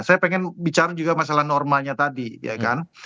saya pengen bicara juga masalah normanya tadi ya kan